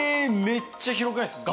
めっちゃ広くないですか？